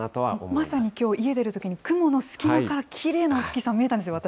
まさにきょう、家出るときに雲の隙間からきれいなお月さん、見えたんですよ、私。